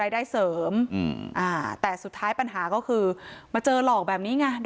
ได้เสริมแต่สุดท้ายปัญหาก็คือมาเจอหลอกแบบนี้ไง